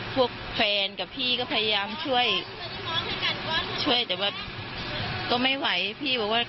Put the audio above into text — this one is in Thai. พวกแฟนกับพี่ก็พยายามช่วยช่วยแต่ว่าก็ไม่ไหวพี่บอกว่า